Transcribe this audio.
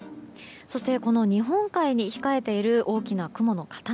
そして、この日本海に控えている大きな雲の塊。